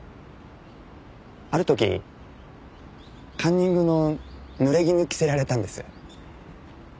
ある時カンニングの濡れ衣を着せられたんです。